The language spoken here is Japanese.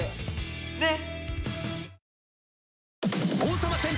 ねっ！